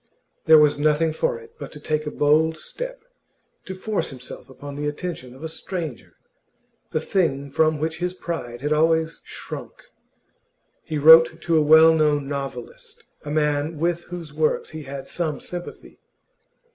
There was nothing for it but to take a bold step, to force himself upon the attention of a stranger the thing from which his pride had always shrunk. He wrote to a well known novelist a man with whose works he had some sympathy.